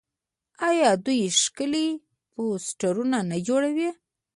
آیا دوی ښکلي پوسټرونه نه جوړوي؟